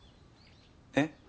えっ？